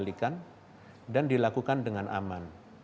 harus dikendalikan dan dilakukan dengan aman